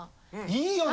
いいよね！